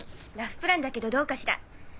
ラフプランだけどどうかしら？